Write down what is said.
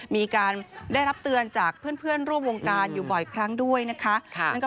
มีการได้รับเตือนจากเพื่อนร่วมวงการอยู่บ่อยครั้งด้วยนะคะ